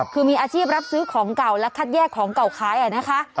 คือมีอาชีพรับซื้อของเก่าและคัดแยกของเก่าขายนะคะ